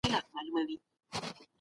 موږ نسو کولای زاړه میتودونه تل وکاروو.